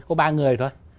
có ba người thôi